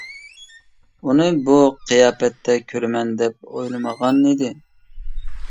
ئۇنى بۇ قىياپەتتە كۆرىمەن دەپ ئويلىمىغانىدى.